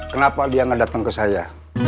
kenapa dia nggak datang ke saya